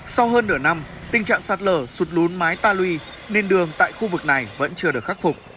sau hơn nửa năm tình trạng sạt lở sụt lún mái ta lùi nên đường tại khu vực này vẫn chưa được khắc phục